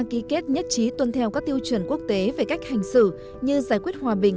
ký kết nhất trí tuân theo các tiêu chuẩn quốc tế về cách hành xử như giải quyết hòa bình